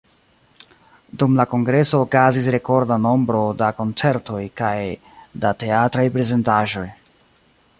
Dum la Kongreso okazis rekorda nombro da koncertoj kaj da teatraj prezentaĵoj.